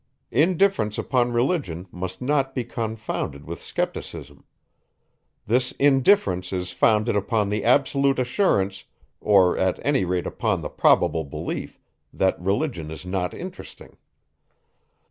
Indifference upon religion must not be confounded with scepticism. This indifference is founded upon the absolute assurance, or at any rate upon the probable belief, that religion is not interesting.